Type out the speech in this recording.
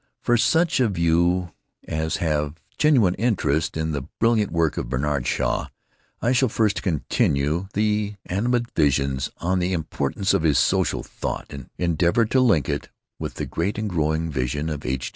For such of you as have a genuine interest in the brilliant work of Bernard Shaw I shall first continue the animadversions on the importance of his social thought, endeavor to link it with the great and growing vision of H.